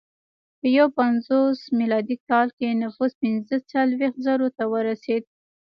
په یو سوه پنځوس میلادي کال کې نفوس پنځه څلوېښت زرو ته ورسېد